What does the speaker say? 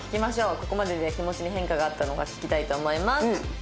ここまでで気持ちに変化があったのか聞きたいと思います。